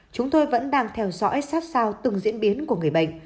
chúng tôi vẫn đang theo dõi sát sao từng diễn biến của người bệnh